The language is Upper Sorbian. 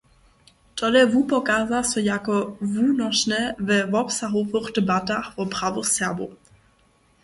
Tole wupokaza so jako wunošne we wobsahowych debatach wo prawach Serbow.